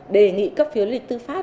đề nghị cấp phiếu lý tư pháp